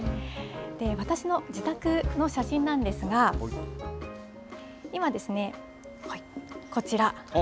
私の自宅の写真なんですが、今、こちら。